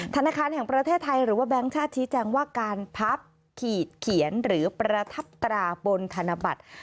ธนาคารแห่งประเทศไทยหรือว่าแบงค์ชาติชี้แจงว่าการพับขีดเขียนหรือประทับตราบนธนบัตร